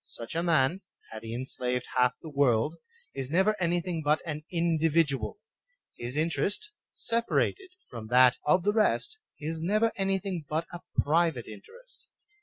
Such a man, had he enslaved half the world, is never any thing but an individual; his interest, separated from that of the rest, is never anything but a private interest.